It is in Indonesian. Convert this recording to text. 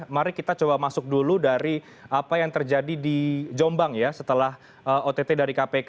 mari kita coba masuk dulu dari apa yang terjadi di jombang ya setelah ott dari kpk